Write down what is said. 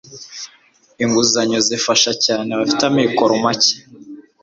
inguzanyo zifasha cyane abafite amikoro make.